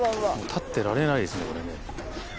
立ってられないですよね。